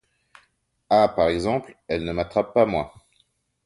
Ah ! par exemple, elles ne m’attrapent pas moi.